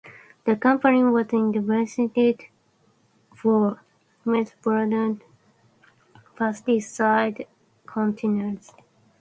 The company was investigated for misbranded pesticide containers.